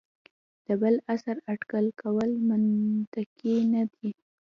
د بل عصر اټکل کول منطقي نه دي.